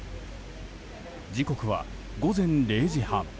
時刻は午前０時半。